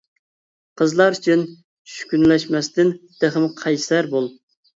قىزلار ئۈچۈن چۈشكۈنلەشمەستىن تېخىمۇ قەيسەر بول!